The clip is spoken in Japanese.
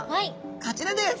こちらです。